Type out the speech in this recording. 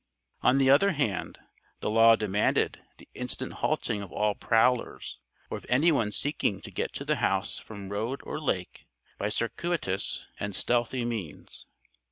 On the other hand, the Law demanded the instant halting of all prowlers, or of anyone seeking to get to the house from road or lake by circuitous and stealthy means.